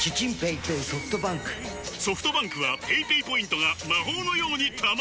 ソフトバンクはペイペイポイントが魔法のように貯まる！